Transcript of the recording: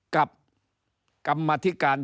กับกรรมธิการ